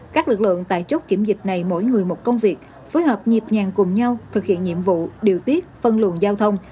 các lực lượng tại chốt kiểm dịch này mỗi người một công việc phối hợp nhịp nhàng cùng nhau thực hiện nhiệm vụ điều tiết phân luận giao thông